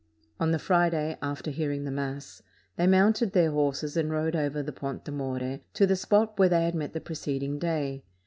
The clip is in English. On the Friday, after hearing the Mass, they mounted their horses, and rode over the Pont de More, to the spot where they had met the preceding day.